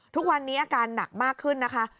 ทุกวันนี้อาการหนักมากขึ้นนะคะ